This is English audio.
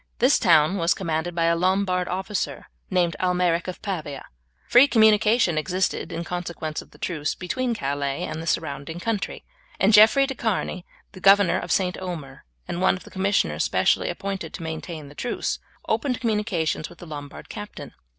This town was commanded by a Lombard officer named Almeric of Pavia. Free communication existed, in consequence of the truce, between Calais and the surrounding country, and Jeffrey de Charny, the governor of St. Omer, and one of the commissioners especially appointed to maintain the truce, opened communications with the Lombard captain.